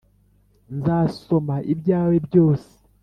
nzasoma ibyawe byose